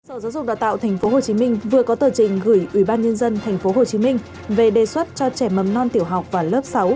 sở giáo dục đào tạo tp hcm vừa có tờ trình gửi ủy ban nhân dân tp hcm về đề xuất cho trẻ mầm non tiểu học và lớp sáu